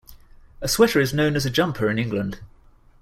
A sweater is known as a jumper in England.